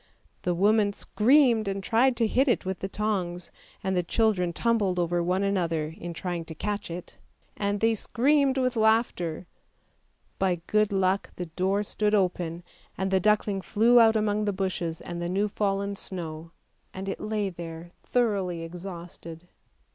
The woman screamed and tried to hit it with the tongs, and the children tumbled over one another in trying to catch it, THE UGLY DUCKLING 391 and they screamed with laughter — by good luck the door stood open, and the duckling flew out among the bushes and the new fallen snow — and it lay there thoroughly exhausted.